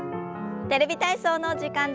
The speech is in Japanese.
「テレビ体操」の時間です。